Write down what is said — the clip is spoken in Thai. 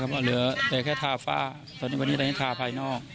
เพราะว่าเหลือแต่แค่ทาฝ้าตอนนี้วันนี้ทาภายนอก